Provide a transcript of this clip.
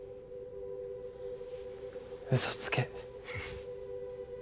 嘘つけ。